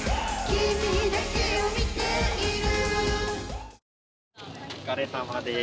「君だけを見ている・・・」